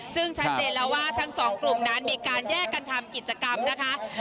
ซึ่งชัดเจนแล้วว่าทั้งสองกลุ่มนั้นมีการแยกกันทำกิจกรรมนะคะ